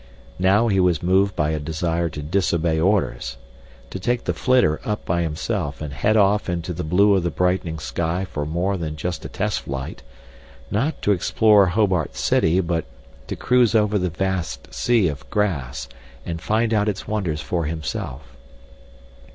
Now he was moved by a desire to disobey orders to take the flitter up by himself and head off into the blue of the brightening sky for more than just a test flight, not to explore Hobart's city but to cruise over the vast sea of grass and find out its wonders for himself.